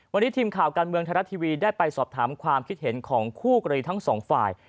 วันนี้ทีมข่าวการเมืองไทยรัฐทีวีได้ไปสอบถามความคิดเห็นของคู่กรณีทั้งสองฝ่าย